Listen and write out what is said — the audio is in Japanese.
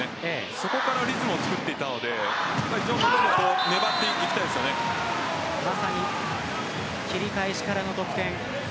そこからリズムをつくっていったので切り返しからの得点。